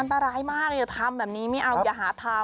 อันตรายมากอย่าทำแบบนี้ไม่เอาอย่าหาทำ